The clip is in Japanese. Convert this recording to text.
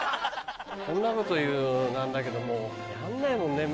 こんなこと言うのもなんだけどやんないもんね